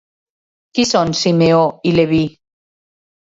Qui són Simeó i Leví?